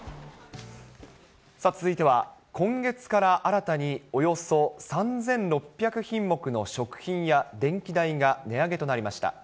続いては、今月から新たに、およそ３６００品目の食品や電気代が値上げとなりました。